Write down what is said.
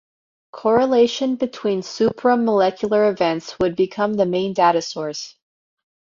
Correlation between supra-molecular events would become the main data source.